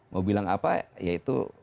mau bilang apa ya itu